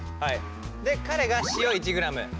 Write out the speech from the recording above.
で彼が塩１ｇ。